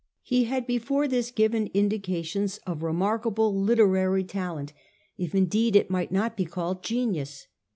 He had before this given indications of remarkable literary 1820 37. VIVIAN GREY. 385 talent, if indeed it might not be called genius.